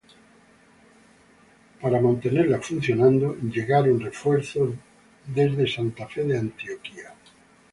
Para mantenerla funcionando le llegaron refuerzos desde Santa Fe de Antioquia.